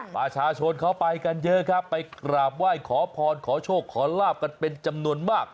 ประชาชนเขาไปกันเยอะครับไปกราบไหว้ขอพรขอโชคขอลาบกันเป็นจำนวนมาก